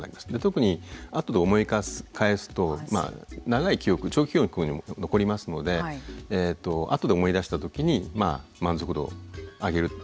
特に後で思い返すと長い記憶長期記憶にも残りますので後で思い出した時に満足度を上げる。